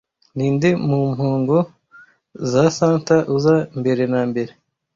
Ninde mu mpongo za Santa uza mbere na mbere